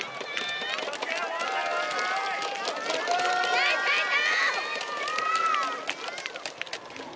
ナイスファイト！